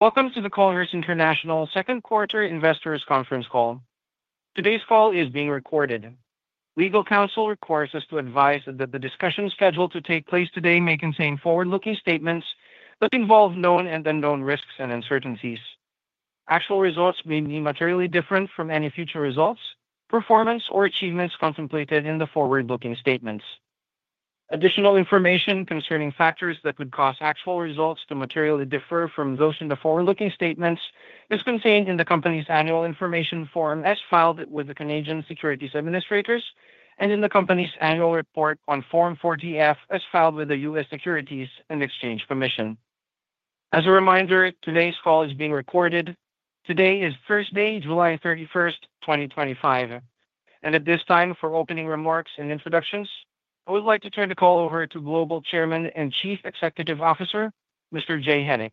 Welcome to the Colliers International Second Quarter Investors Conference call. Today's call is being recorded. Legal counsel requires us to advise that the discussion scheduled to take place today may contain forward-looking statements that involve known and unknown risks and uncertainties. Actual results may be materially different from any future results, performance, or achievements contemplated in the forward-looking statements. Additional information concerning factors that would cause actual results to materially differ from those in the forward-looking statements is contained in the company's annual information form as filed with the Canadian Securities Administrators and in the company's annual report on Form 40-F as filed with the U.S. Securities and Exchange Commission. As a reminder, today's call is being recorded. Today is Thursday, July 31, 2025. At this time, for opening remarks and introductions, I would like to turn the call over to Global Chairman and Chief Executive Officer, Mr. Jay Hennick.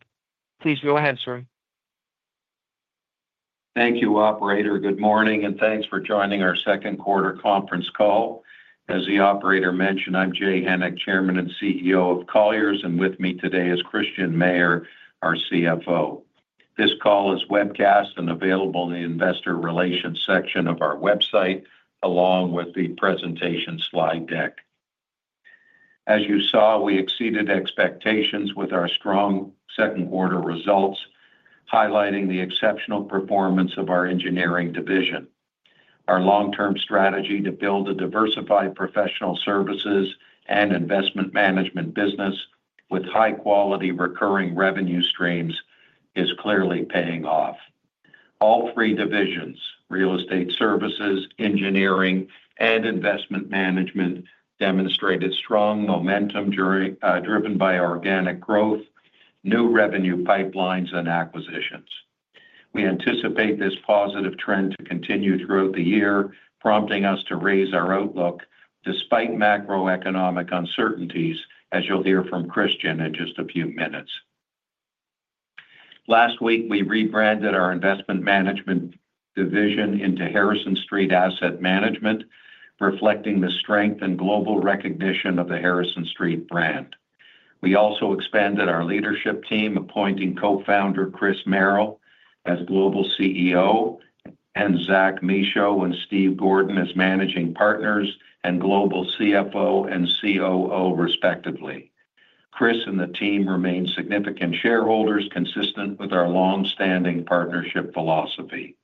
Please go ahead, sir. Thank you, Operator. Good morning and thanks for joining our second quarter conference call. As the Operator mentioned, I'm Jay Hennick, Chairman and CEO of Colliers, and with me today is Christian Mayer, our CFO. This call is webcast and available in the Investor Relations section of our website, along with the presentation slide deck. As you saw, we exceeded expectations with our strong second quarter results, highlighting the exceptional performance of our Engineering division. Our long-term strategy to build a diversified professional services and Investment Management business with high-quality recurring revenue streams is clearly paying off. All three divisions, Real Estate Services, Engineering, and Investment Management, demonstrated strong momentum driven by organic growth, new revenue pipelines, and acquisitions. We anticipate this positive trend to continue throughout the year, prompting us to raise our outlook despite macroeconomic uncertainties, as you'll hear from Christian in just a few minutes. Last week, we rebranded our Investment Management division into Harrison Street Asset Management, reflecting the strength and global recognition of the Harrison Street brand. We also expanded our leadership team, appointing co-founder Chris Merrill as Global CEO and Zach Michaud and Steve Gordon as Managing Partners and Global CFO and COO, respectively. Chris and the team remain significant shareholders, consistent with our long-standing partnership philosophy.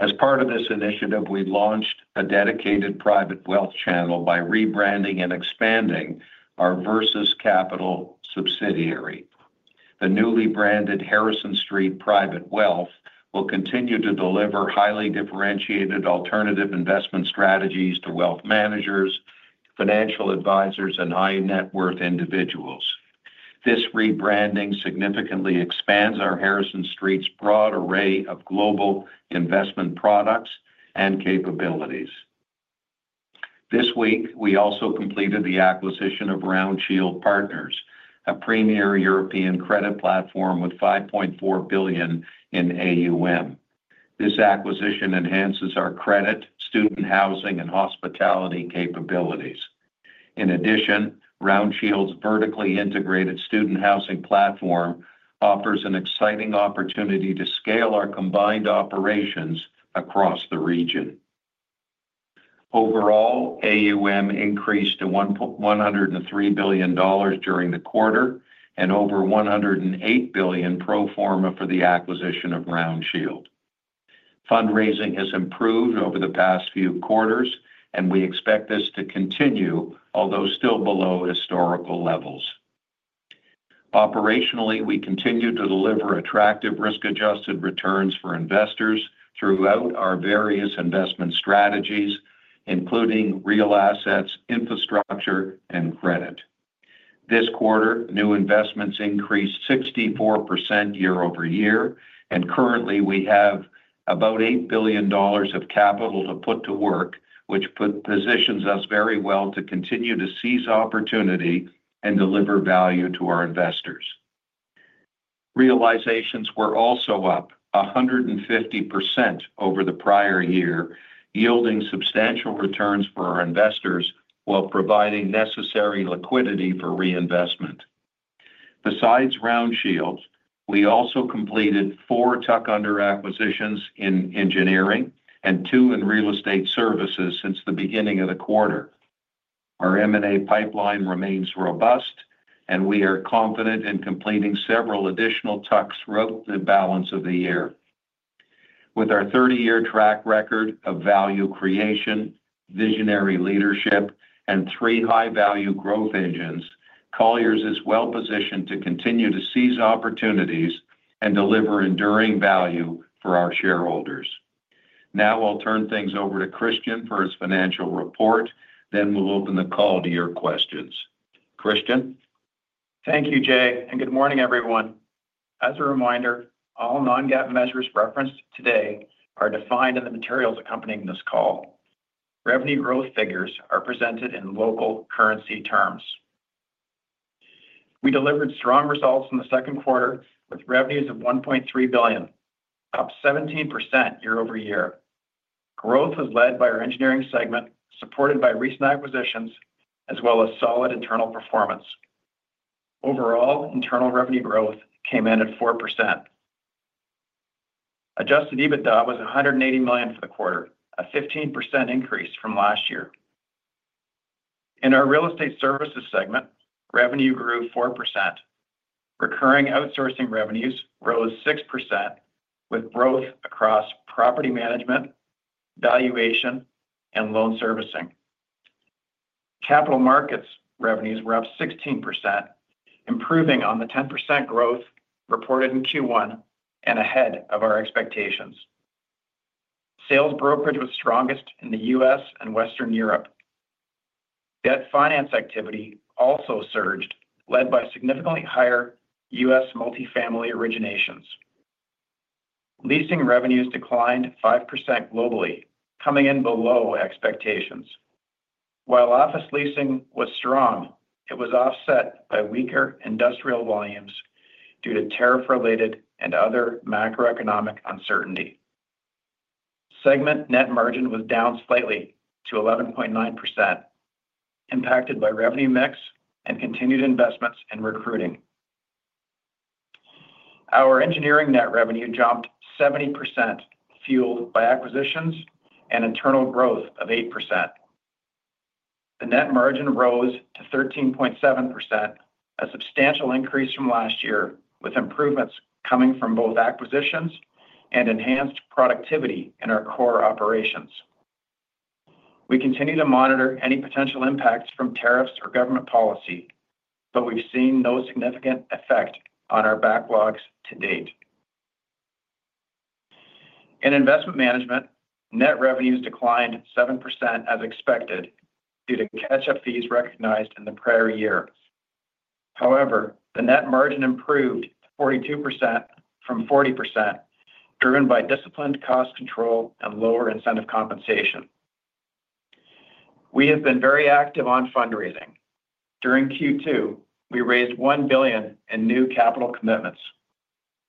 As part of this initiative, we launched a dedicated private wealth channel by rebranding and expanding our Versus Capital subsidiary. The newly branded Harrison Street Private Wealth will continue to deliver highly differentiated alternative investment strategies to wealth managers, financial advisors, and high net worth individuals. This rebranding significantly expands our Harrison Street's broad array of global investment products and capabilities. This week, we also completed the acquisition of RoundShield Partners, a premier European credit platform with $5.4 billion in AUM. This acquisition enhances our credit, student housing, and hospitality capabilities. In addition, RoundsShield's vertically integrated student housing platform offers an exciting opportunity to scale our combined operations across the region. Overall, AUM increased to $103 billion during the quarter and over $108 billion pro forma for the acquisition of RoundShield. Fundraising has improved over the past few quarters, and we expect this to continue, although still below historical levels. Operationally, we continue to deliver attractive risk-adjusted returns for investors throughout our various investment strategies, including real assets, infrastructure, and credit. This quarter, new investments increased 64% year over year, and currently, we have about $8 billion of capital to put to work, which positions us very well to continue to seize opportunity and deliver value to our investors. Realizations were also up 150% over the prior year, yielding substantial returns for our investors while providing necessary liquidity for reinvestment. Besides RoundShield, we also completed four tuck-under acquisitions in Engineering and two in Real Estate Services since the beginning of the quarter. Our M&A pipeline remains robust, and we are confident in completing several additional tucks throughout the balance of the year. With our 30-year track record of value creation, visionary leadership, and three high-value growth engines, Colliers is well-positioned to continue to seize opportunities and deliver enduring value for our shareholders. Now, I'll turn things over to Christian for his financial report, then we'll open the call to your questions. Christian? Thank you, Jay, and good morning, everyone. As a reminder, all non-GAAP measures referenced today are defined in the materials accompanying this call. Revenue growth figures are presented in local currency terms. We delivered strong results in the second quarter with revenues of $1.3 billion, up 17% year over year. Growth was led by our engineering segment, supported by recent acquisitions, as well as solid internal performance. Overall, internal revenue growth came in at 4%. Adjusted EBITDA was $180 million for the quarter, a 15% increase from last year. In our Real Estate Services segment, revenue grew 4%. Recurring outsourcing revenues rose 6%, with growth across property management, valuation, and loan servicing. Capital markets revenues were up 16%, improving on the 10% growth reported in Q1 and ahead of our expectations. Sales brokerage was strongest in the U.S. and Western Europe. Debt finance activity also surged, led by significantly higher U.S. multifamily originations. Leasing revenues declined 5% globally, coming in below expectations. While office leasing was strong, it was offset by weaker industrial volumes due to tariff-related and other macroeconomic uncertainty. Segment net margin was down slightly to 11.9%, impacted by revenue mix and continued investments in recruiting. Our engineering net revenue jumped 70%, fueled by acquisitions and internal growth of 8%. The net margin rose to 13.7%, a substantial increase from last year, with improvements coming from both acquisitions and enhanced productivity in our core operations. We continue to monitor any potential impacts from tariffs or government policy, but we've seen no significant effect on our backlogs to date. In investment management, net revenues declined 7% as expected due to catch-up fees recognized in the prior year. However, the net margin improved 42% from 40%, driven by disciplined cost control and lower incentive compensation. We have been very active on fundraising. During Q2, we raised $1 billion in new capital commitments.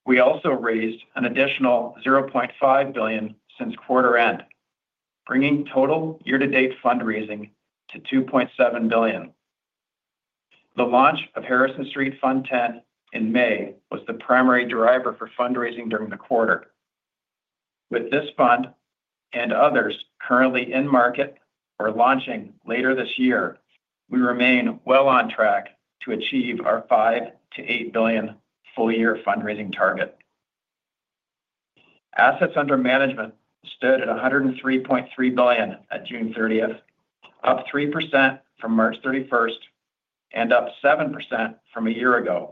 We also raised an additional $0.5 billion since quarter end, bringing total year-to-date fundraising to $2.7 billion. The launch of Harrison Street Fund 10 in May was the primary driver for fundraising during the quarter. With this fund and others currently in market or launching later this year, we remain well on track to achieve our $5 billion-$8 billion full-year fundraising target. Assets under management stood at $103.3 billion at June 30th, up 3% from March 31st, and up 7% from a year ago,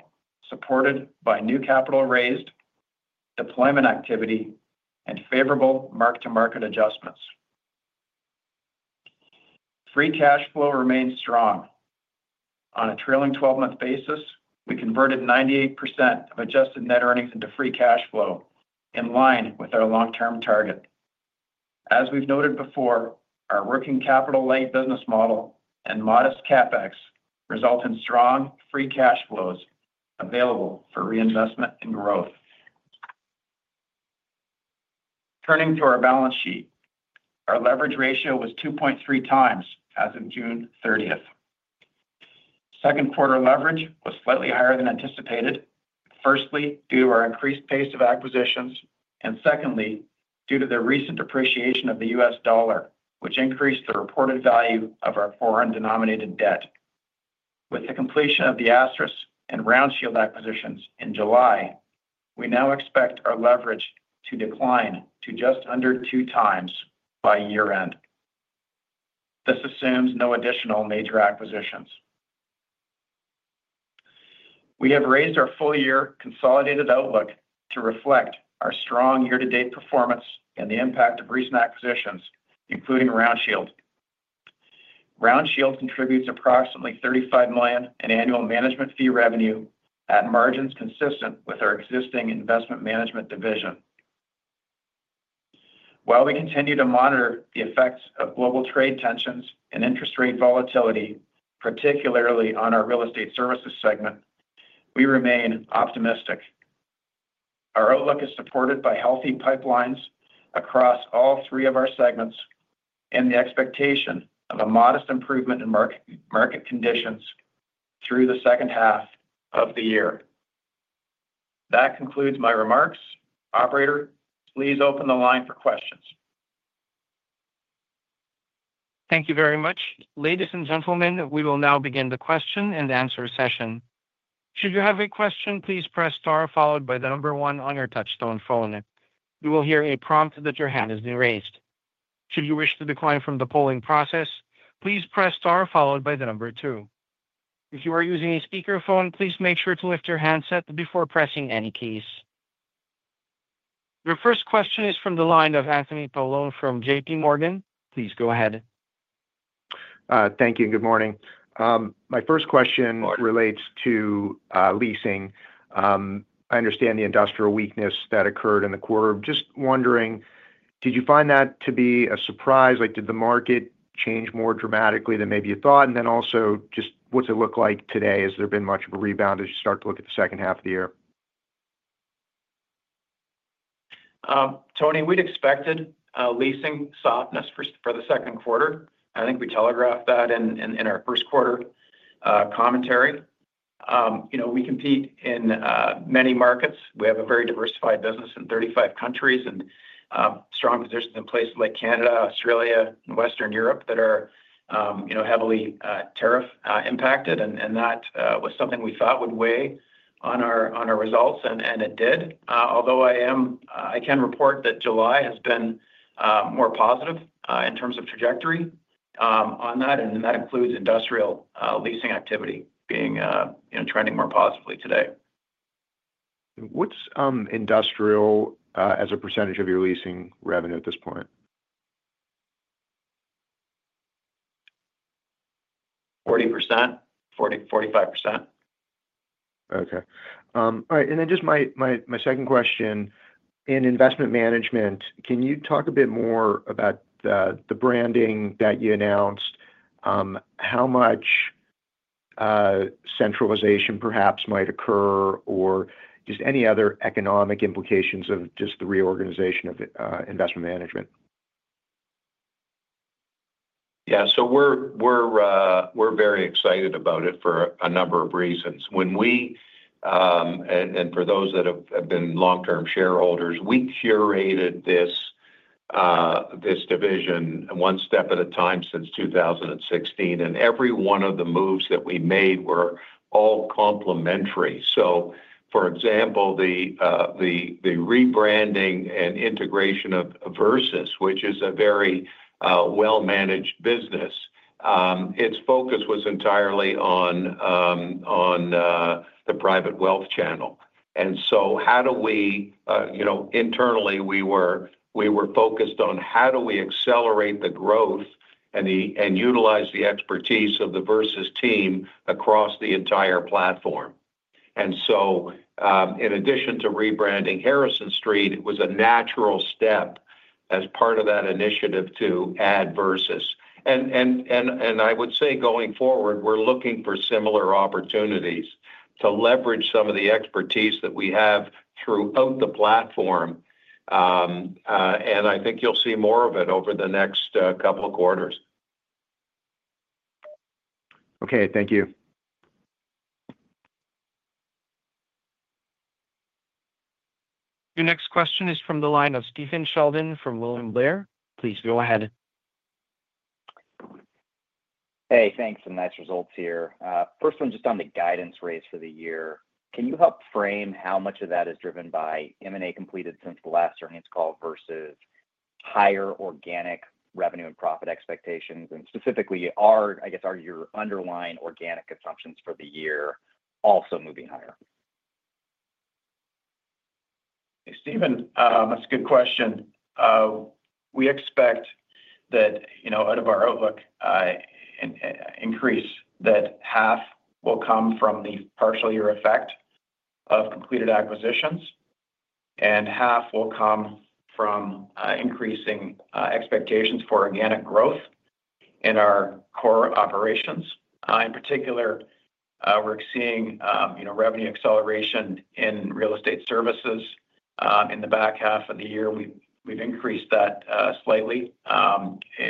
supported by new capital raised, deployment activity, and favorable mark-to-market adjustments. Free cash flow remains strong. On a trailing 12-month basis, we converted 98% of adjusted net earnings into free cash flow, in line with our long-term target. As we've noted before, our working capital-light business model and modest CapEx result in strong free cash flows available for reinvestment and growth. Turning to our balance sheet, our leverage ratio was 2.3x as of June 30th. Second quarter leverage was slightly higher than anticipated, firstly due to our increased pace of acquisitions and secondly due to the recent appreciation of the U.S. dollar, which increased the reported value of our foreign denominated debt. With the completion of the Asterisk and RoundShield acquisitions in July, we now expect our leverage to decline to just under 2x by year-end. This assumes no additional major acquisitions. We have raised our full-year consolidated outlook to reflect our strong year-to-date performance and the impact of recent acquisitions, including RoundShield. RoundShield contributes approximately $35 million in annual management fee revenue at margins consistent with our existing investment management division. While we continue to monitor the effects of global trade tensions and interest rate volatility, particularly on our Real Estate Services segment, we remain optimistic. Our outlook is supported by healthy pipelines across all three of our segments and the expectation of a modest improvement in market conditions through the second half of the year. That concludes my remarks. Operator, please open the line for questions. Thank you very much. Ladies and gentlemen, we will now begin the question and answer session. Should you have a question, please press star followed by the number one on your touch-tone phone. You will hear a prompt that your hand has been raised. Should you wish to decline from the polling process, please press star followed by the number two. If you are using a speaker phone, please make sure to lift your handset before pressing any keys. Your first question is from the line of Anthony Paolone from JPMorgan. Please go ahead. Thank you and good morning. My first question relates to Leasing. I understand the industrial weakness that occurred in the quarter. Just wondering, did you find that to be a surprise? Did the market change more dramatically than maybe you thought? Also, what's it look like today? Has there been much of a rebound as you start to look at the second half of the year? Tony, we'd expected leasing softness for the second quarter. I think we telegraphed that in our first quarter commentary. We compete in many markets. We have a very diversified business in 35 countries and strong positions in places like Canada, Australia, and Western Europe that are heavily tariff-impacted. That was something we thought would weigh on our results, and it did. Although I can report that July has been more positive in terms of trajectory on that, and that includes industrial leasing activity being trending more positively today. What is industrial as a percentage of your leasing revenue at this point? 40%, 45%. All right. Just my second question. In investment management, can you talk a bit more about the branding that you announced? How much centralization perhaps might occur or just any other economic implications of just the reorganization of investment management? Yeah. We're very excited about it for a number of reasons. For those that have been long-term shareholders, we curated this division one step at a time since 2016, and every one of the moves that we made were all complementary. For example, the rebranding and integration of Versus, which is a very well-managed business, its focus was entirely on the private wealth channel. Internally, we were focused on how do we accelerate the growth and utilize the expertise of the Versus team across the entire platform. In addition to rebranding Harrison Street, it was a natural step as part of that initiative to add Versus. I would say going forward, we're looking for similar opportunities to leverage some of the expertise that we have throughout the platform. I think you'll see more of it over the next couple of quarters. Okay, thank you. Your next question is from the line of Stephen Sheldon from William Blair. Please go ahead. Hey, thanks. Some nice results here. First one, just on the guidance raised for the year. Can you help frame how much of that is driven by M&A completed since the last earnings call versus higher organic revenue and profit expectations? Specifically, I guess, are your underlying organic assumptions for the year also moving higher? Hey, Stephen, that's a good question. We expect that, you know, out of our outlook, an increase that half will come from the partial-year effect of completed acquisitions, and half will come from increasing expectations for organic growth in our core operations. In particular, we're seeing, you know, revenue acceleration in Real Estate Services. In the back half of the year, we've increased that slightly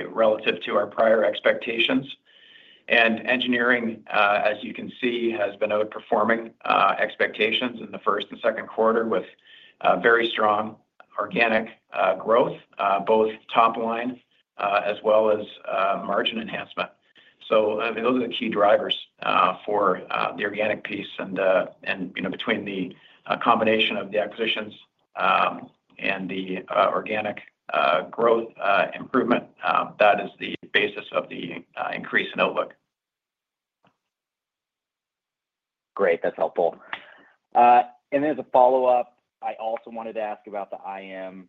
relative to our prior expectations. Engineering, as you can see, has been outperforming expectations in the first and second quarter with very strong organic growth, both top line as well as margin enhancement. Those are the key drivers for the organic piece. Between the combination of the acquisitions and the organic growth improvement, that is the basis of the increase in outlook. Great. That's helpful. As a follow-up, I also wanted to ask about the IM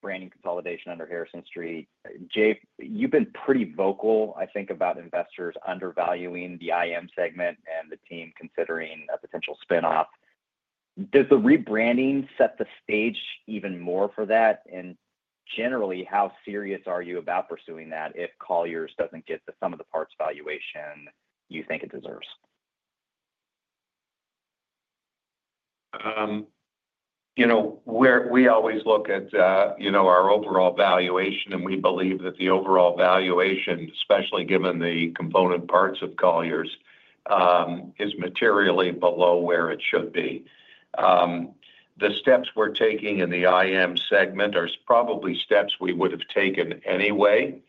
branding consolidation under Harrison Street. Jay, you've been pretty vocal, I think, about investors undervaluing the IM segment and the team considering a potential spin-off. Does the rebranding set the stage even more for that? Generally, how serious are you about pursuing that if Colliers doesn't get the sum of the parts valuation you think it deserves? We always look at our overall valuation, and we believe that the overall valuation, especially given the component parts of Colliers, is materially below where it should be. The steps we're taking in the IM segment are probably steps we would have taken anyway.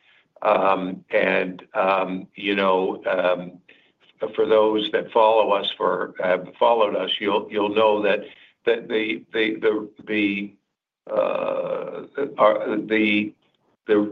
For those that follow us, you'll know that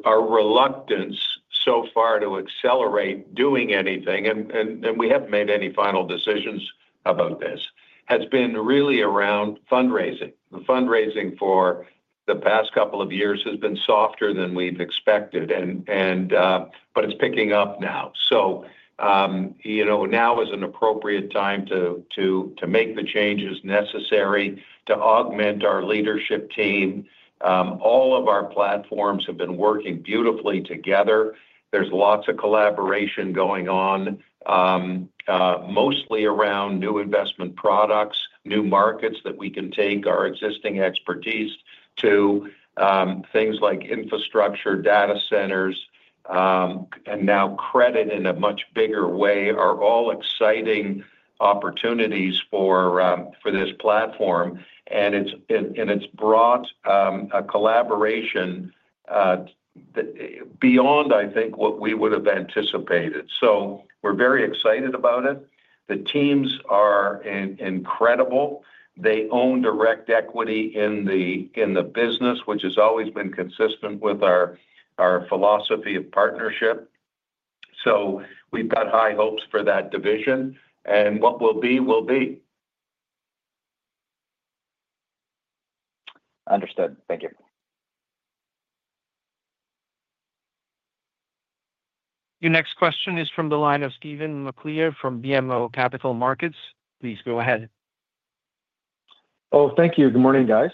our reluctance so far to accelerate doing anything, and we haven't made any final decisions about this, has been really around fundraising. The fundraising for the past couple of years has been softer than we've expected, but it's picking up now. Now is an appropriate time to make the changes necessary to augment our leadership team. All of our platforms have been working beautifully together. There's lots of collaboration going on, mostly around new investment products, new markets that we can take our existing expertise to, things like infrastructure, data centers, and now credit in a much bigger way are all exciting opportunities for this platform. It's brought a collaboration beyond, I think, what we would have anticipated. We're very excited about it. The teams are incredible. They own direct equity in the business, which has always been consistent with our philosophy of partnership. We've got high hopes for that division, and what will be, will be. Understood. Thank you. Your next question is from the line of Stephen MacLeod from BMO Capital Markets. Please go ahead. Thank you. Good morning, guys.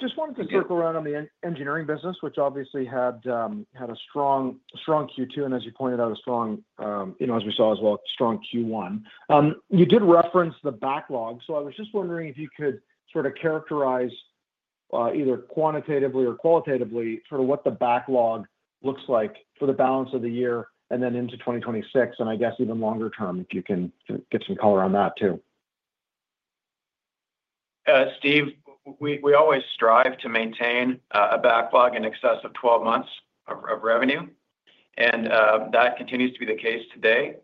Just wanted to circle around on the engineering business, which obviously had a strong Q2, and as you pointed out, a strong, you know, as we saw as well, strong Q1. You did reference the backlog. I was just wondering if you could sort of characterize either quantitatively or qualitatively sort of what the backlog looks like for the balance of the year and then into 2026, and I guess even longer term, if you can get some color on that too. We always strive to maintain a backlog in excess of 12 months of revenue. That continues to be the case today,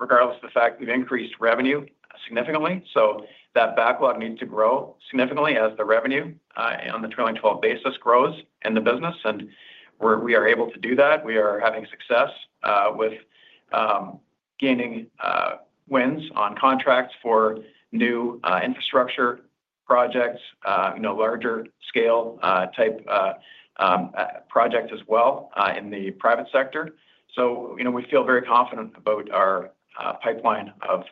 regardless of the fact we've increased revenue significantly. That backlog needs to grow significantly as the revenue on the trailing 12 basis grows in the business. We are able to do that. We are having success with gaining wins on contracts for new infrastructure projects, larger-scale type projects as well in the private sector. We feel very confident about our pipeline of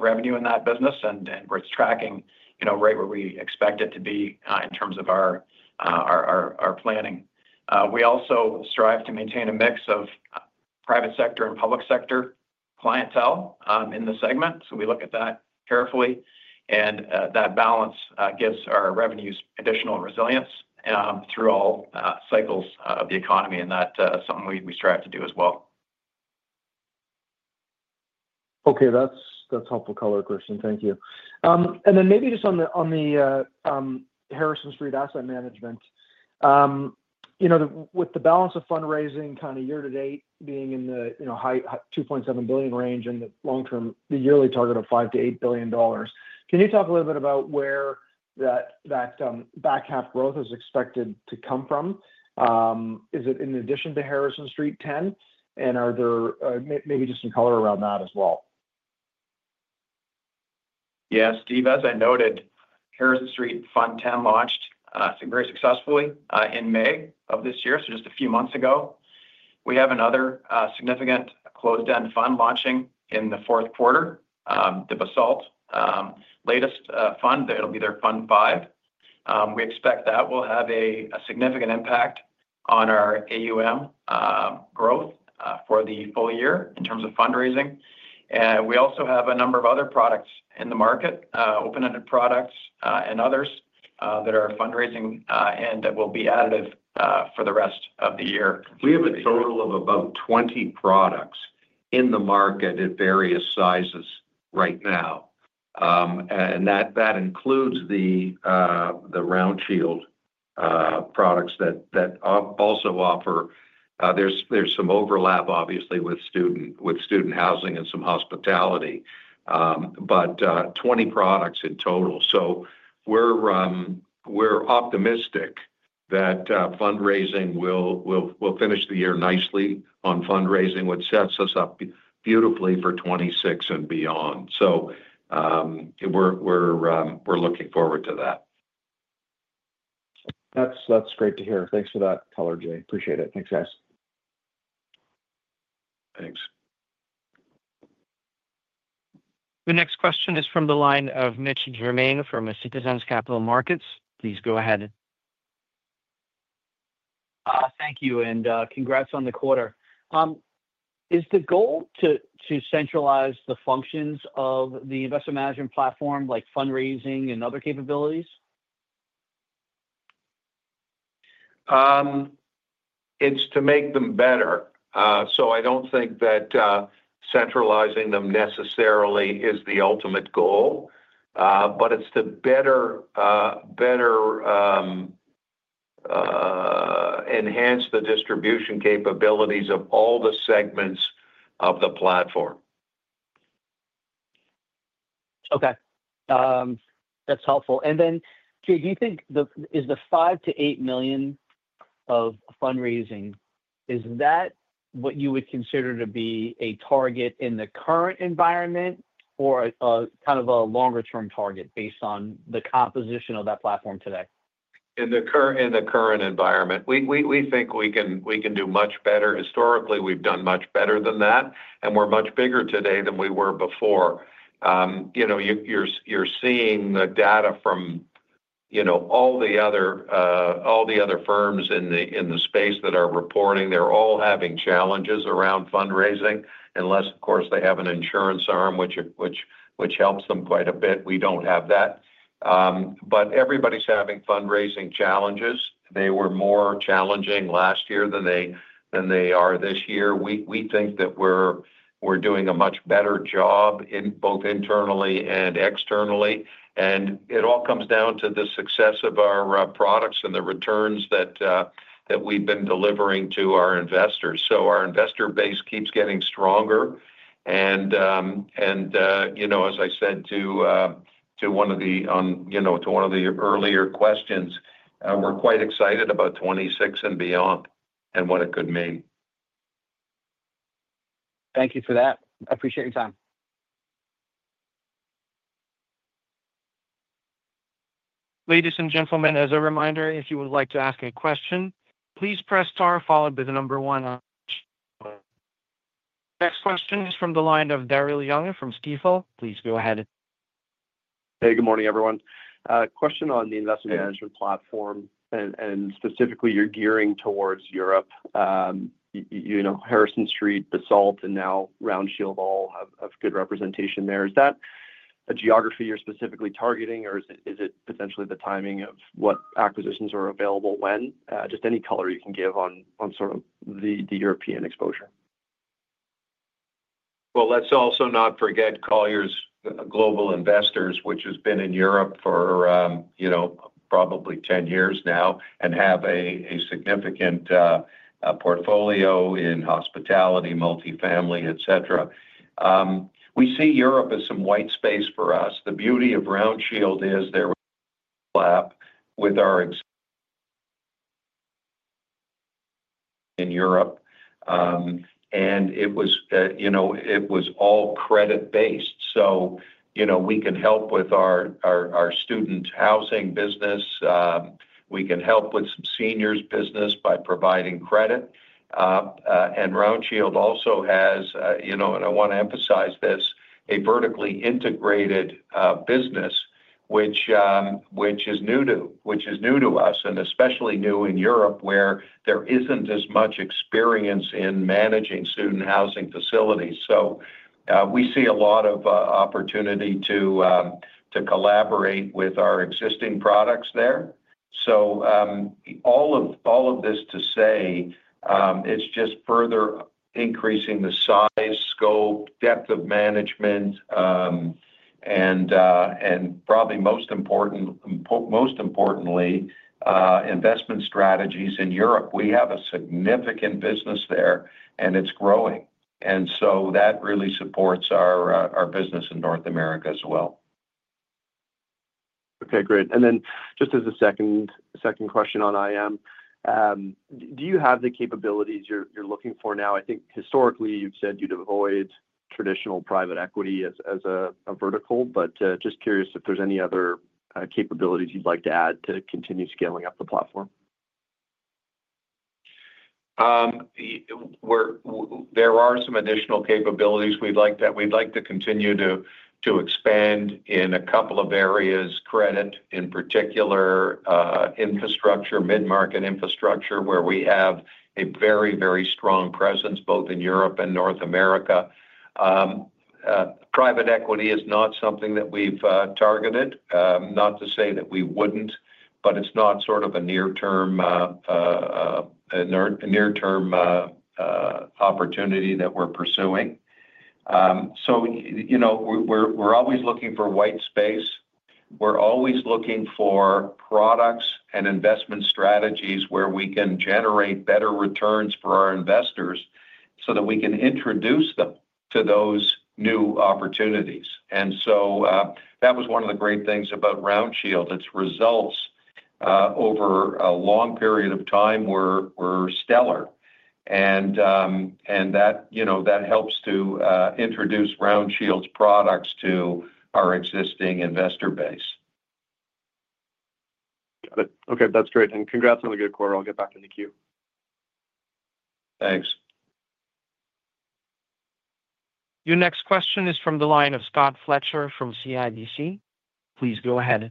revenue in that business and where it's tracking, right where we expect it to be in terms of our planning. We also strive to maintain a mix of private sector and public sector clientele in the segment. We look at that carefully, and that balance gives our revenues additional resilience through all cycles of the economy, and that's something we strive to do as well. Okay. That's helpful color, Christian. Thank you. Maybe just on the Harrison Street Asset Management, with the balance of fundraising year-to-date being in the high $2.7 billion range and the long-term, the yearly target of $5 billion-$8 billion, can you talk a little bit about where that back half growth is expected to come from? Is it in addition to Harrison Street 10? Are there maybe just some color around that as well? Yeah, Steve, as I noted, Harrison Street Fund 10 launched very successfully in May of this year, so just a few months ago. We have another significant closed-end fund launching in the fourth quarter, the Basalt latest fund. It'll be their Fund 5. We expect that will have a significant impact on our AUM growth for the full year in terms of fundraising. We also have a number of other products in the market, open-ended products and others that are fundraising and that will be additive for the rest of the year. We have a total of about 20 products in the market at various sizes right now. That includes the RoundShield products that also offer, there's some overlap, obviously, with student housing and some hospitality, but 20 products in total. We're optimistic that fundraising will finish the year nicely on fundraising, which sets us up beautifully for 2026 and beyond. We're looking forward to that. That's great to hear. Thanks for that color, Jay. Appreciate it. Thanks, guys. Thanks. The next question is from the line of Mitch Germain from Citizens Capital Markets. Please go ahead. Thank you, and congrats on the quarter. Is the goal to centralize the functions of the Investment Management platform, like fundraising and other capabilities? It's to make them better. I don't think that centralizing them necessarily is the ultimate goal, but it's to better enhance the distribution capabilities of all the segments of the platform. Okay. That's helpful. Jay, do you think the $5 billion-$8 million of fundraising is what you would consider to be a target in the current environment or a kind of a longer-term target based on the composition of that platform today? In the current environment, we think we can do much better. Historically, we've done much better than that, and we're much bigger today than we were before. You're seeing the data from all the other firms in the space that are reporting. They're all having challenges around fundraising, unless, of course, they have an insurance arm, which helps them quite a bit. We don't have that. Everybody's having fundraising challenges. They were more challenging last year than they are this year. We think that we're doing a much better job both internally and externally. It all comes down to the success of our products and the returns that we've been delivering to our investors. Our investor base keeps getting stronger. As I said to one of the earlier questions, we're quite excited about 2026 and beyond and what it could mean. Thank you for that. I appreciate your time. Ladies and gentlemen, as a reminder, if you would like to ask a question, please press star followed by the number one on the channel. Next question is from the line of Daryl Young from Stifel. Please go ahead. Hey, good morning, everyone. Question on the investment management platform and specifically your gearing towards Europe. You know, Harrison Street, Basalt, and now RoundShield all have good representation there. Is that a geography you're specifically targeting, or is it potentially the timing of what acquisitions are available when? Just any color you can give on sort of the European exposure. Let's also not forget Colliers Global Investors, which has been in Europe for probably 10 years now and has a significant portfolio in hospitality, multifamily, etc. We see Europe as some white space for us. The beauty of RoundShield is their flap with our in Europe. It was all credit-based. We can help with our student housing business. We can help with some seniors' business by providing credit. RoundShield also has, and I want to emphasize this, a vertically integrated business, which is new to us and especially new in Europe where there isn't as much experience in managing student housing facilities. We see a lot of opportunity to collaborate with our existing products there. All of this to say, it's just further increasing the size, scope, depth of management, and probably most importantly, investment strategies in Europe. We have a significant business there, and it's growing. That really supports our business in North America as well. Okay, great. Just as a second question on IM, do you have the capabilities you're looking for now? I think historically, you've said you'd avoid traditional private equity as a vertical, but just curious if there's any other capabilities you'd like to add to continue scaling up the platform. There are some additional capabilities we'd like to continue to expand in a couple of areas: credit, in particular, infrastructure, mid-market infrastructure, where we have a very, very strong presence both in Europe and North America. Private equity is not something that we've targeted. Not to say that we wouldn't, but it's not sort of a near-term opportunity that we're pursuing. We're always looking for white space. We're always looking for products and investment strategies where we can generate better returns for our investors so that we can introduce them to those new opportunities. That was one of the great things about RoundShield. Its results over a long period of time were stellar. That helps to introduce RoundShield's products to our existing investor base. Got it. Okay, that's great. Congrats on the good quarter. I'll get back in the queue. Thanks. Your next question is from the line of Scott Fletcher from CIBC. Please go ahead.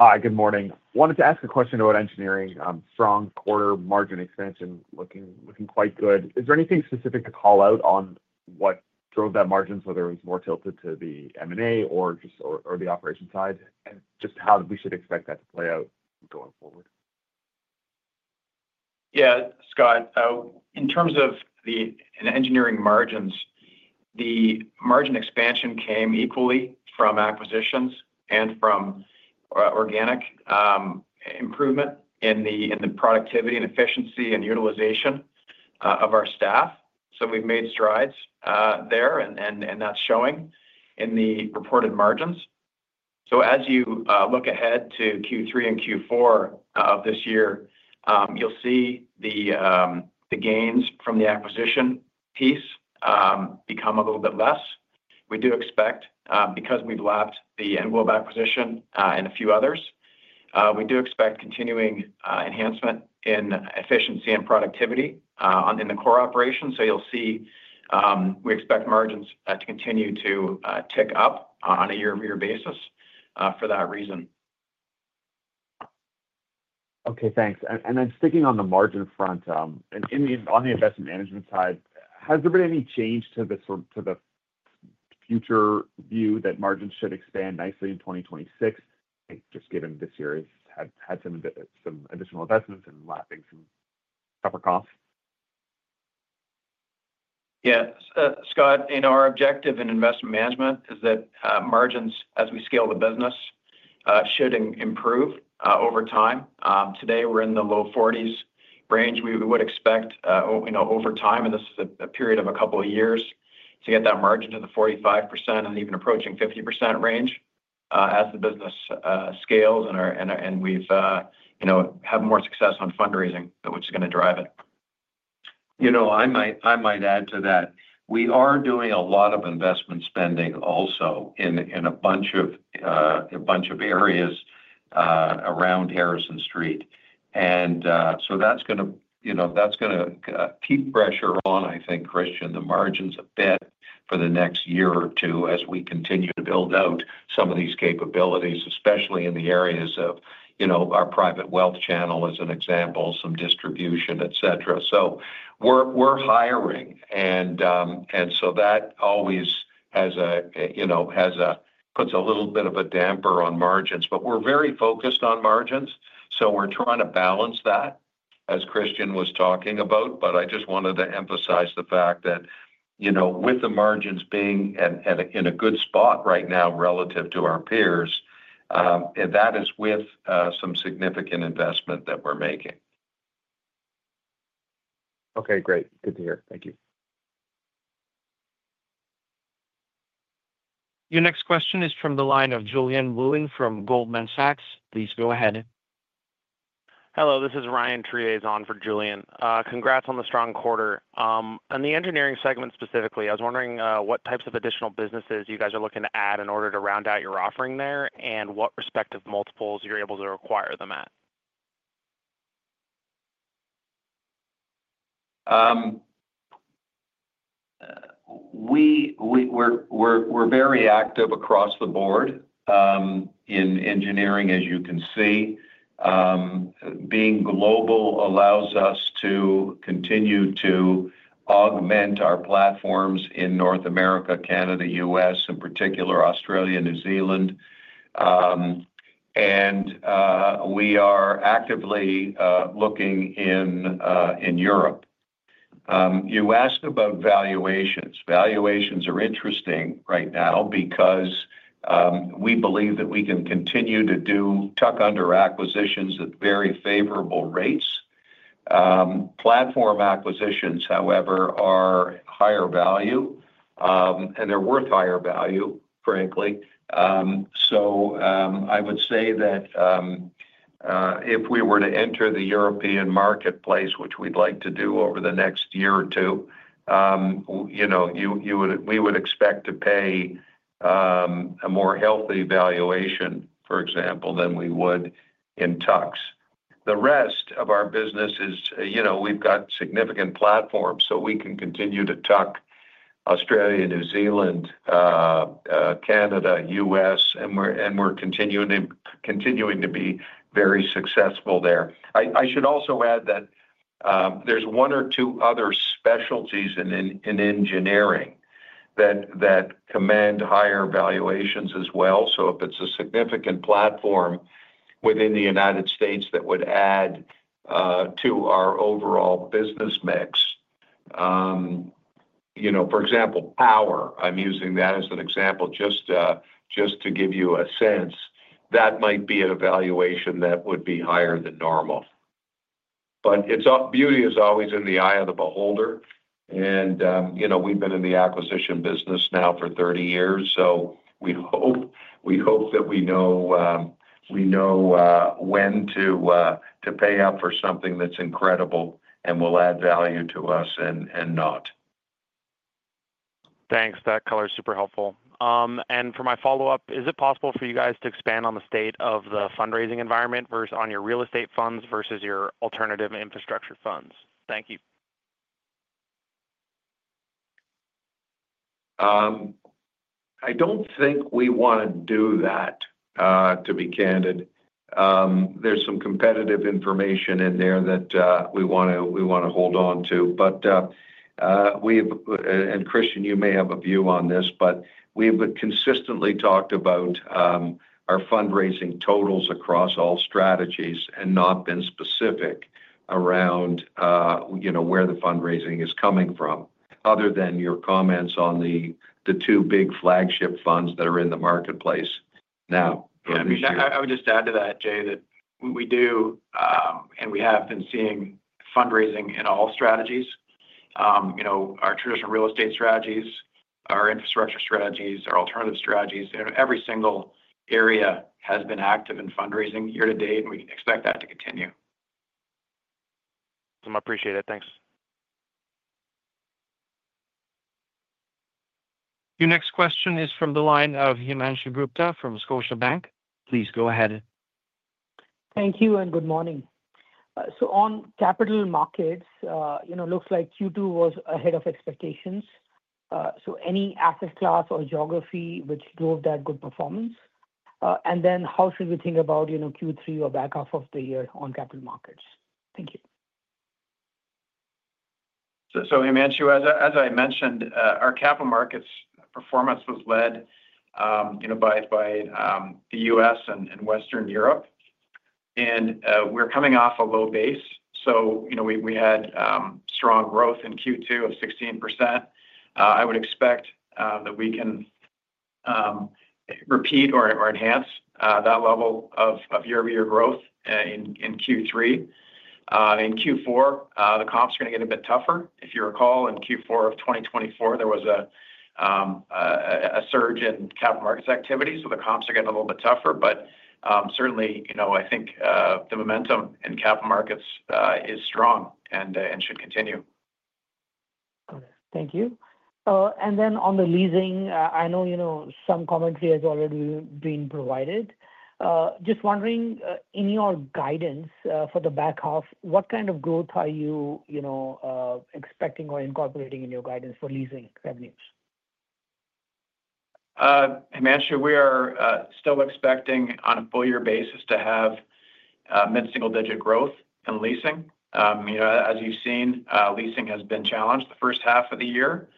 Hi, good morning. Wanted to ask a question about engineering. Strong quarter, margin expansion looking quite good. Is there anything specific to call out on what drove that margin, whether it was more tilted to the M&A or just the operation side, and just how we should expect that to play out going forward? Yeah, Scott. In terms of the engineering margins, the margin expansion came equally from acquisitions and from organic improvement in the productivity and efficiency and utilization of our staff. We've made strides there, and that's showing in the reported margins. As you look ahead to Q3 and Q4 of this year, you'll see the gains from the acquisition piece become a little bit less. We do expect, because we've lapped the Englobe acquisition and a few others, continuing enhancement in efficiency and productivity in the core operations. You'll see we expect margins to continue to tick up on a year-over-year basis for that reason. Okay, thanks. Sticking on the margin front, and on the investment management side, has there been any change to the future view that margins should expand nicely in 2026, just given this year has had some additional investments and lapping some upper costs? Yeah, Scott, our objective in Investment Management is that margins, as we scale the business, should improve over time. Today, we're in the low 40% range. We would expect, over time, and this is a period of a couple of years, to get that margin to the 45% and even approaching 50% range as the business scales and we have more success on fundraising, which is going to drive it. You know, I might add to that. We are doing a lot of investment spending also in a bunch of areas around Harrison Street. That's going to keep pressure on, I think, Christian, the margins a bit for the next year or two as we continue to build out some of these capabilities, especially in the areas of, you know, our private wealth channel as an example, some distribution, etc. We're hiring, and that always has a, you know, puts a little bit of a damper on margins. We're very focused on margins. We're trying to balance that, as Christian was talking about. I just wanted to emphasize the fact that, you know, with the margins being in a good spot right now relative to our peers, that is with some significant investment that we're making. Okay, great. Good to hear. Thank you. Your next question is from the line of Julien Blouin from Goldman Sachs. Please go ahead. Hello, this is Ryan Trieste on for Julien. Congrats on the strong quarter. In the engineering segment specifically, I was wondering what types of additional businesses you guys are looking to add in order to round out your offering there, and what respective multiples you're able to acquire them at. We're very active across the board in engineering, as you can see. Being global allows us to continue to augment our platforms in North America, Canada, U.S. in particular, Australia, New Zealand. We are actively looking in Europe. You asked about valuations. Valuations are interesting right now because we believe that we can continue to do tuck-under acquisitions at very favorable rates. Platform acquisitions, however, are higher value, and they're worth higher value, frankly. I would say that if we were to enter the European marketplace, which we'd like to do over the next year or two, we would expect to pay a more healthy valuation, for example, than we would in tucks. The rest of our business is, we've got significant platforms, so we can continue to tuck Australia, New Zealand, Canada, U.S., and we're continuing to be very successful there. I should also add that there's one or two other specialties in engineering that command higher valuations as well. If it's a significant platform within the United States that would add to our overall business mix, for example, Power, I'm using that as an example just to give you a sense, that might be a valuation that would be higher than normal. Its beauty is always in the eye of the beholder. We've been in the acquisition business now for 30 years, so we hope that we know when to pay up for something that's incredible and will add value to us and not. Thanks. That color is super helpful. For my follow-up, is it possible for you guys to expand on the state of the fundraising environment versus on your real estate funds versus your alternative infrastructure funds? Thank you. I don't think we want to do that, to be candid. There's some competitive information in there that we want to hold on to. Christian, you may have a view on this, but we've consistently talked about our fundraising totals across all strategies and not been specific around where the fundraising is coming from, other than your comments on the two big flagship funds that are in the marketplace now. I would just add to that, Jay, that we do, and we have been seeing fundraising in all strategies. You know, our traditional real estate strategies, our infrastructure strategies, our alternative strategies, and every single area has been active in fundraising year to date, and we expect that to continue. I appreciate it. Thanks. Your next question is from the line of Himanshu Gupta from Scotiabank. Please go ahead. Thank you and good morning. On capital markets, it looks like Q2 was ahead of expectations. Any asset class or geography which drove that good performance? How should we think about Q3 or back half of the year on capital markets? Thank you. Himanshu, as I mentioned, our capital markets performance was led by the U.S. and Western Europe. We're coming off a low base. We had strong growth in Q2 of 16%. I would expect that we can repeat or enhance that level of year-over-year growth in Q3. In Q4, the comps are going to get a bit tougher. If you recall, in Q4 of 2024, there was a surge in capital markets activity. The comps are getting a little bit tougher. Certainly, I think the momentum in capital markets is strong and should continue. Thank you. On the leasing, I know some commentary has already been provided. Just wondering, in your guidance for the back half, what kind of growth are you expecting or incorporating in your guidance for leasing revenues? Himanshu, we are still expecting on a full-year basis to have mid-single-digit growth in Leasing. As you've seen, Leasing has been challenged the first half of the year.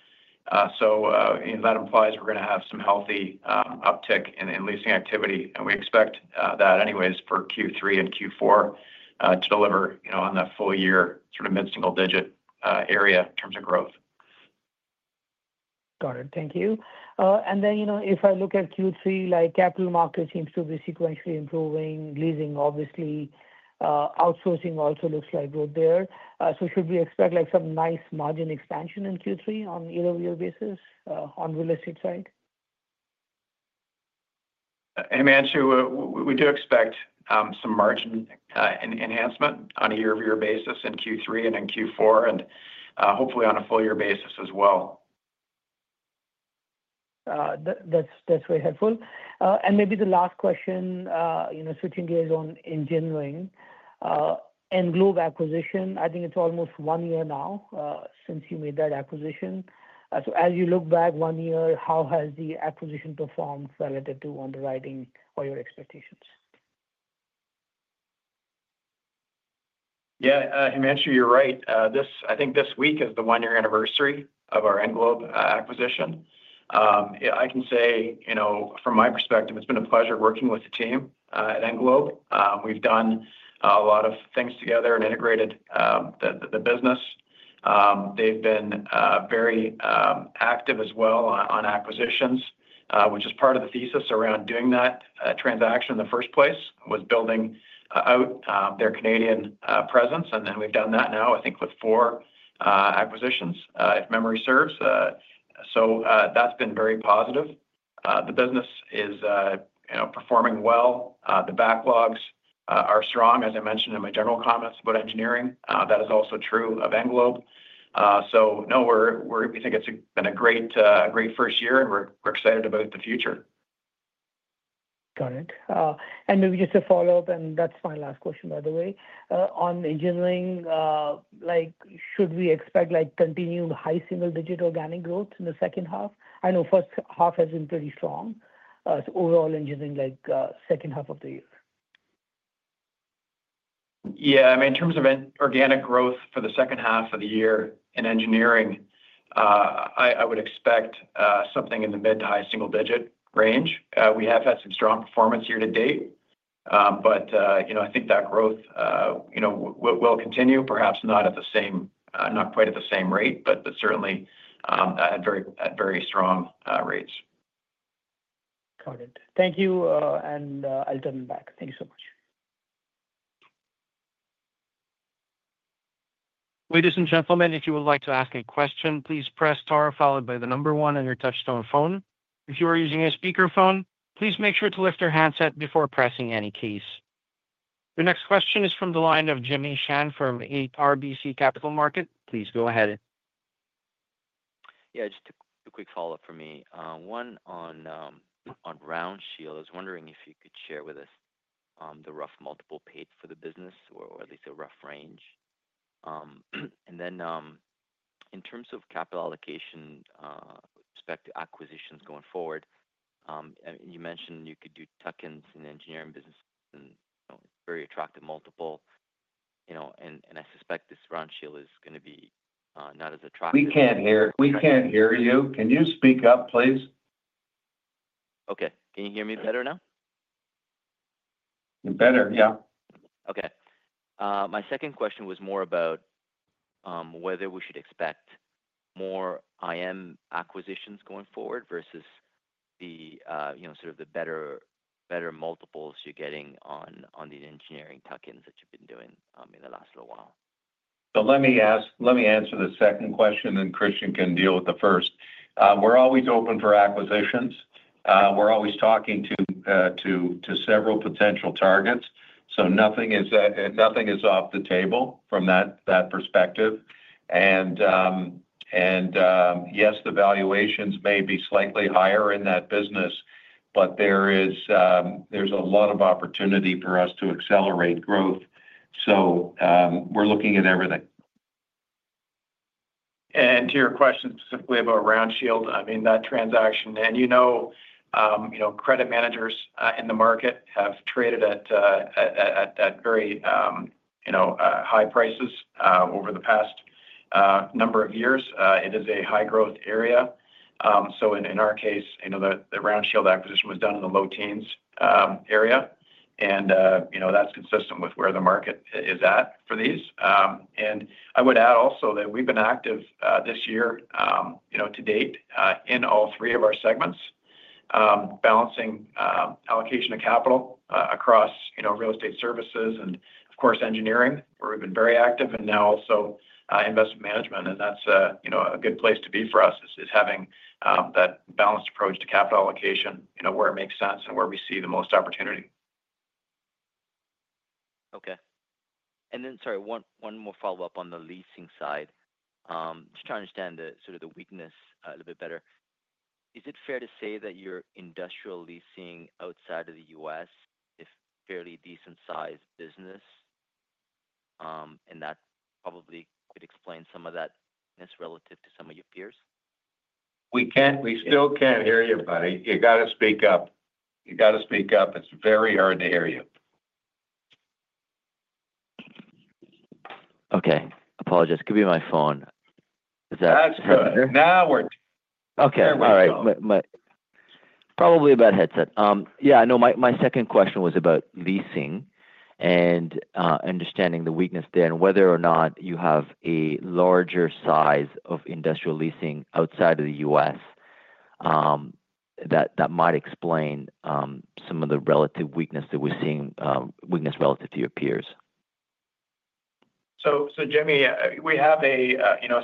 That implies we're going to have some healthy uptick in Leasing activity. We expect that anyways for Q3 and Q4 to deliver on that full-year sort of mid-single-digit area in terms of growth. Got it. Thank you. If I look at Q3, like capital markets seems to be sequentially improving, leasing, obviously, outsourcing also looks like growth there. Should we expect like some nice margin expansion in Q3 on a year-over-year basis on the real estate side? Himanshu, we do expect some margin enhancement on a year-over-year basis in Q3 and in Q4, and hopefully on a full-year basis as well. That's very helpful. Maybe the last question, you know, switching gears on engineering, Englob acquisition, I think it's almost one year now since you made that acquisition. As you look back one year, how has the acquisition performed relative to underwriting or your expectations? Yeah, Himanshu, you're right. I think this week is the one-year anniversary of our Englob acquisition. I can say, from my perspective, it's been a pleasure working with the team at Englob. We've done a lot of things together and integrated the business. They've been very active as well on acquisitions, which is part of the thesis around doing that transaction in the first place, was building out their Canadian presence. We've done that now, I think, with four acquisitions, if memory serves. That's been very positive. The business is performing well. The backlogs are strong, as I mentioned in my general comments about engineering. That is also true of Englobe. We think it's been a great first year, and we're excited about the future. Got it. Maybe just to follow up, that's my last question, by the way, on engineering. Should we expect continued high single-digit organic growth in the second half? I know the first half has been pretty strong. Overall engineering, second half of the year. Yeah, I mean, in terms of organic growth for the second half of the year in Engineering, I would expect something in the mid to high single-digit range. We have had some strong performance year to date, but I think that growth will continue, perhaps not at the same, not quite at the same rate, but certainly at very strong rates. Got it. Thank you. I'll turn it back. Thank you so much. Ladies and gentlemen, if you would like to ask a question, please press star followed by the number one on your touch-tone phone. If you are using a speakerphone, please make sure to lift your handset before pressing any keys. Your next question is from the line of Jimmy Shan from RBC Capital Markets. Please go ahead. Yeah, just a quick follow-up from me. One on Roundshield. I was wondering if you could share with us the rough multiple paid for the business or at least a rough range. In terms of capital allocation with respect to acquisitions going forward, you mentioned you could do tuck-ins in the engineering business, and it's a very attractive multiple. I suspect this Roundshield is going to be not as attractive. We can't hear you. Can you speak up, please? Okay, can you hear me better now? Better, yeah. Okay. My second question was more about whether we should expect more IM acquisitions going forward versus the, you know, sort of the better multiples you're getting on the engineering tuck-ins that you've been doing in the last little while. Let me answer the second question, and then Christian can deal with the first. We're always open for acquisitions. We're always talking to several potential targets. Nothing is off the table from that perspective. Yes, the valuations may be slightly higher in that business, but there's a lot of opportunity for us to accelerate growth. We're looking at everything. To your question specifically about Roundshield, that transaction, and credit managers in the market have traded at very high prices over the past number of years. It is a high-growth area. In our case, the Roundshield acquisition was done in the low teens area. That's consistent with where the market is at for these. I would add also that we've been active this year to date in all three of our segments, balancing allocation of capital across real estate services and, of course, engineering, where we've been very active, and now also investment management. That's a good place to be for us, having that balanced approach to capital allocation where it makes sense and where we see the most opportunity. Okay. Sorry, one more follow-up on the leasing side. Just trying to understand the sort of the weakness a little bit better. Is it fair to say that your industrial leasing outside of the U.S. is a fairly decent-sized business? That probably could explain some of that relative to some of your peers? We still can't hear you, buddy. You got to speak up. It's very hard to hear you. Okay. Apologize, it could be my phone. Is that? That's perfect. Now it worked. Okay. All right. Probably a bad headset. My second question was about Leasing and understanding the weakness there and whether or not you have a larger size of industrial Leasing outside of the U.S. that might explain some of the relative weakness that we're seeing, weakness relative to your peers. Jimmy, we have a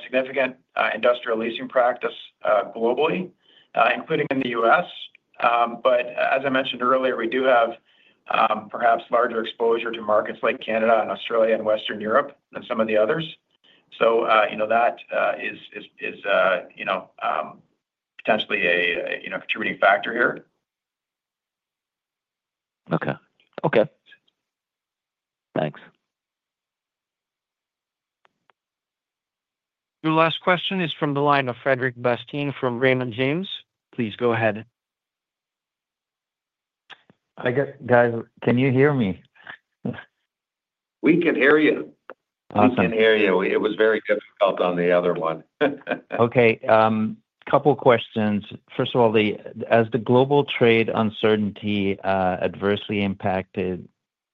significant industrial leasing practice globally, including in the U.S. As I mentioned earlier, we do have perhaps larger exposure to markets like Canada, Australia, and Western Europe than some of the others. That is potentially a contributing factor here. Okay. Thanks. Your last question is from the line of Frederic Bastien from Raymond James. Please go ahead. Can you hear me? We can hear you. It was very difficult on the other one. Okay. A couple of questions. First of all, has the global trade uncertainty adversely impacted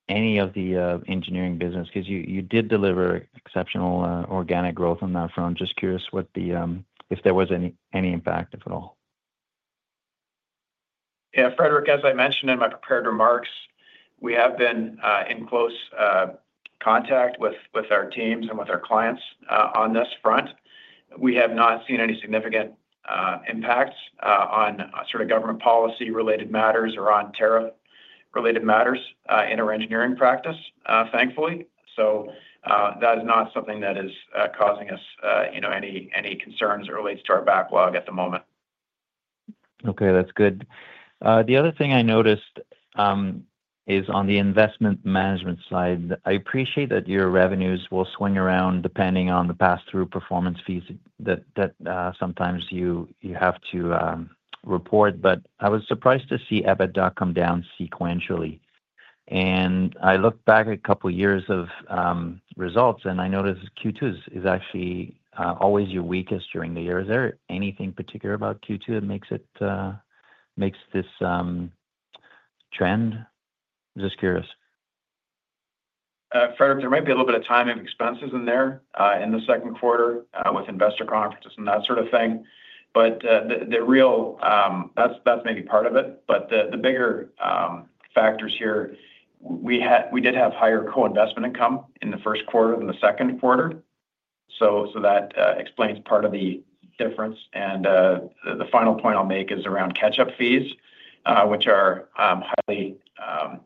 any of the engineering business? Because you did deliver exceptional organic growth on that front. I'm just curious if there was any impact, if at all. Yeah, Frederic, as I mentioned in my prepared remarks, we have been in close contact with our teams and with our clients on this front. We have not seen any significant impacts on sort of government policy-related matters or on tariff-related matters in our engineering practice, thankfully. That is not something that is causing us any concerns as it relates to our backlog at the moment. Okay, that's good. The other thing I noticed is on the Investment Management side, I appreciate that your revenues will swing around depending on the pass-through performance fees that sometimes you have to report. I was surprised to see EBITDA come down sequentially. I looked back at a couple of years of results, and I noticed Q2 is actually always your weakest during the year. Is there anything particular about Q2 that makes this trend? I'm just curious. Frederic, there might be a little bit of time and expenses in there in the second quarter with investor conferences and that sort of thing. That's maybe part of it. The bigger factors here, we did have higher co-investment income in the first quarter than the second quarter. That explains part of the difference. The final point I'll make is around catch-up fees, which are highly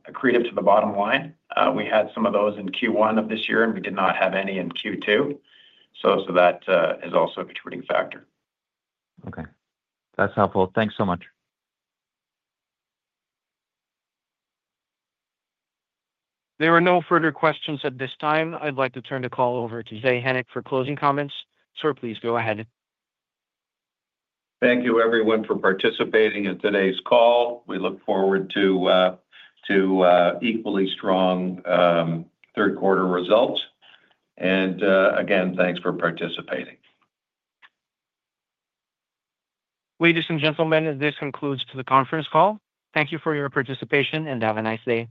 accretive to the bottom line. We had some of those in Q1 of this year, and we did not have any in Q2. That is also a contributing factor. Okay, that's helpful. Thanks so much. There are no further questions at this time. I'd like to turn the call over to Jay Hennick for closing comments. Sir, please go ahead. Thank you, everyone, for participating in today's call. We look forward to equally strong third-quarter results. Again, thanks for participating. Ladies and gentlemen, this concludes the conference call. Thank you for your participation and have a nice day.